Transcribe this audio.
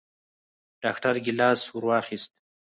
ډاکتر ګېلاس ورواخيست.